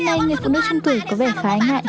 lần này người phụ nữ trung tuổi có vẻ khá ánh hại